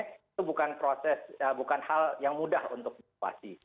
itu bukan hal yang mudah untuk dioperasi